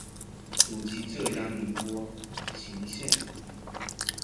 祖籍浙江宁波鄞县。